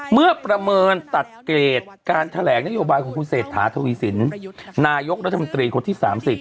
ประเมินตัดเกรดการแถลงนโยบายของคุณเศรษฐาทวีสินนายกรัฐมนตรีคนที่๓๐